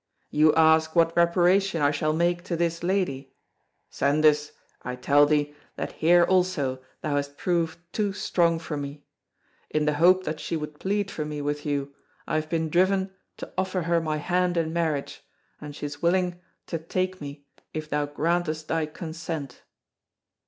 "You ask what reparation I shall make to this lady? Sandys, I tell thee that here also thou hast proved too strong for me. In the hope that she would plead for me with you, I have been driven to offer her my hand in marriage, and she is willing to take me if thou grantest thy consent."